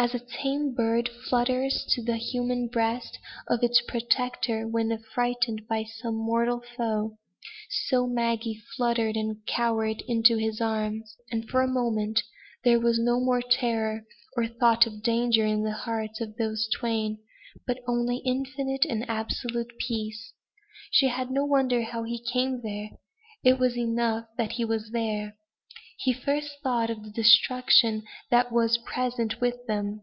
As a tame bird flutters to the human breast of its protector when affrighted by some mortal foe, so Maggie fluttered and cowered into his arms. And, for a moment, there was no more terror or thought of danger in the hearts of those twain, but only infinite and absolute peace. She had no wonder how he came there: it was enough that he was there. He first thought of the destruction that was present with them.